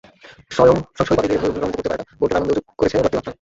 সংশয়বাদীদের এভাবে ভুল প্রমাণিত করতে পারাটা বোল্টের আনন্দেও যোগ করেছে বাড়তি মাত্রা।